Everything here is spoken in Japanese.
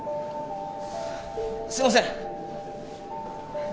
すいません。